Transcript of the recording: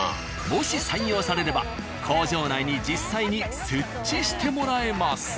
もし採用されれば工場内に実際に設置してもらえます。